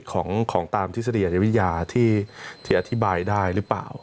ของตามทฤษฎีอายวิทยาที่อธิบายได้หรือเปล่า